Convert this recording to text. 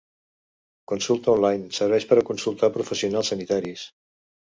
“Consulta online” serveix per a consultar professionals sanitaris.